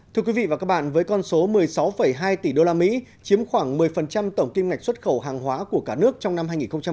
thưa quý vị và các bạn với con số một mươi sáu hai tỷ usd chiếm khoảng một mươi tổng kim ngạch xuất khẩu hàng hóa của cả nước trong năm hai nghìn hai mươi ba